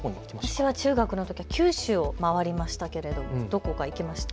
私は中学のとき九州を回りましたけれどもどこか行きました？